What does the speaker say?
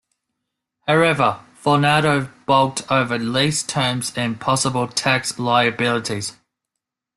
However, Vornado balked over lease terms and possible tax liabilities.